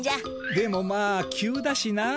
でもまあ急だしなあ。